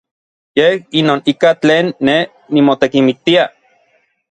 Yej inon ika tlen nej nimotekimiktia.